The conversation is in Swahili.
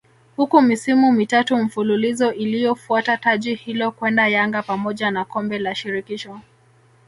huku misimu mitatu mfululizo iliyofuata taji hilo kwenda Yanga pamoja na Kombe la Shirikisho